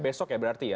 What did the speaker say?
besok ya berarti ya